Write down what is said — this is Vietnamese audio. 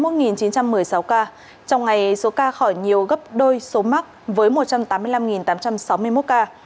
trong ngày số ca khỏi nhiều gấp đôi số mắc với một trăm tám mươi năm tám trăm sáu mươi một ca